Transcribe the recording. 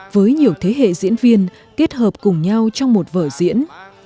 với nhiều thế hệ diễn viên kết hợp cùng nhau trong một vở diễn